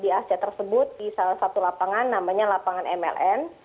di asia tersebut di salah satu lapangan namanya lapangan mln